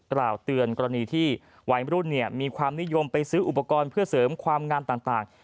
กล่าวเตือนกรณีที่วัยรุ่นมีความนิยมไปซื้ออุปกรณ์เพื่อเสริมความงามต่าง